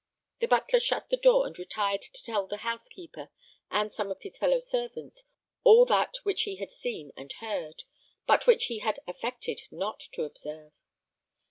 The butler shut the door and retired to tell the housekeeper and some of his fellow servants all that which he had seen and heard, but which he had affected not to observe.